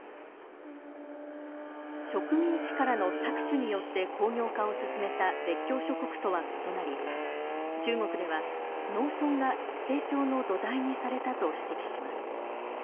植民地からの搾取によって工業化を進めた列強諸国とは異なり中国では農村が成長の土台にされたと指摘します。